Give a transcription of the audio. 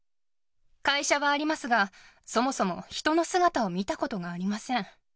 会社はありますが、そもそも人の姿を見たことがありません。